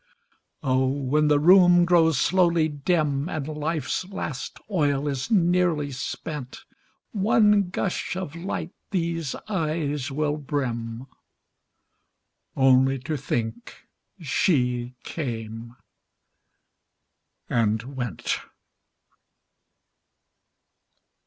O, when the room grows slowly dim, And life's last oil is nearly spent, One gush of light these eyes will brim, Only to think she came and went.